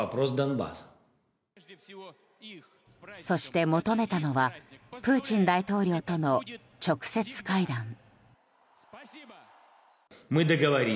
そして求めたのはプーチン大統領との直接会談。